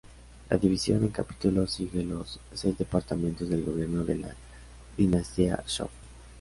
La división en capítulos sigue los seis departamentos del gobierno de la dinastía Zhou.